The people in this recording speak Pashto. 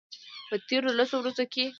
په تیرو لسو ورځو کې